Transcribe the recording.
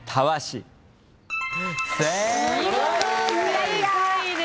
正解です。